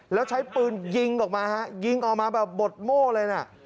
แล้วใช้ปืนยิงออกมาฮะยิงออกมาแบบบดโม่เลยนะ